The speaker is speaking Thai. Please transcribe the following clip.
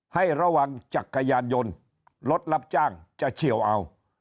ให้ระวังจักรยานยนต์รถรับจ้างจะเฉียวเอา